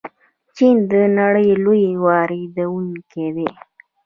چین د نړۍ لوی واردونکی دی.